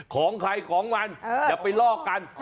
ของใครของมันอย่าไปลอกกัน